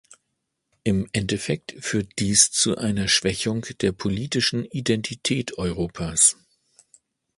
Im Endeffekt führt dies zu einer Schwächung der politischen Identität Europas.